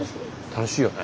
楽しいよね。